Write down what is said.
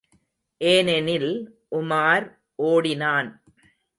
ஏனெனில் உமார் ஓடினான்.